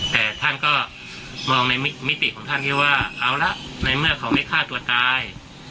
แต่ท่านก็มองในมิติของท่านที่ว่าเอาละในเมื่อเขาไม่ฆ่าตัวตาย